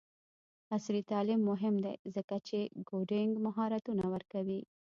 عصري تعلیم مهم دی ځکه چې کوډینګ مهارتونه ورکوي.